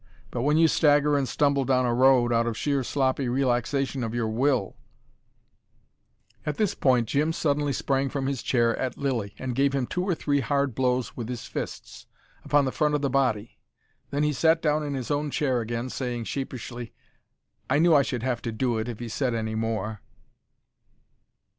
But when you stagger and stumble down a road, out of sheer sloppy relaxation of your will " At this point Jim suddenly sprang from his chair at Lilly, and gave him two or three hard blows with his fists, upon the front of the body. Then he sat down in his own chair again, saying sheepishly: "I knew I should have to do it, if he said any more."